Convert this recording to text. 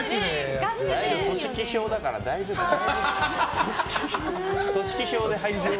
組織票だから大丈夫だよ。